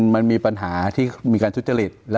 มันมีปัญหาที่มีการทุจริต